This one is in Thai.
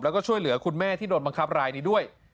แล้วก็ช่วยเหลือคุณแม่ที่โดนบังคับรายนี้ด้วย